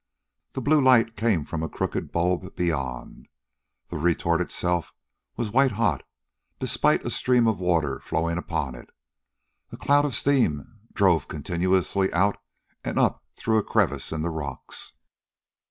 The blue light came from a crooked bulb beyond. The retort itself was white hot, despite a stream of water flowing upon it. A cloud of steam drove continuously out and up through a crevice in the rocks.